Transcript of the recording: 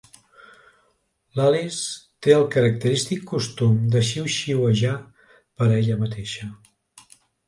L'Alice té el característic costum de xiuxiuejar per a ella mateixa.